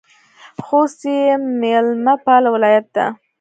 خوست یو میلمه پاله ولایت ده